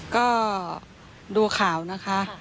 ก็ดูข่าวนะคะ